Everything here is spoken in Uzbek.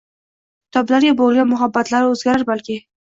Kitoblarga boʻlgan munosabatlari oʻzgarar balki?